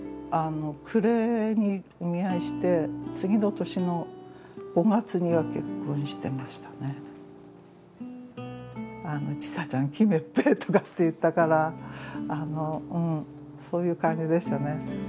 暮れに見合いして次の年の５月には結婚してましたね。とかって言ったからそういう感じでしたね。